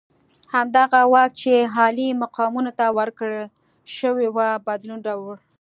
همدغه واک چې عالي مقامانو ته ورکړل شوی وو بدلون راوړ.